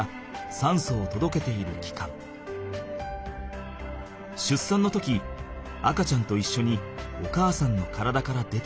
しゅっさんの時赤ちゃんといっしょにお母さんの体から出てくる。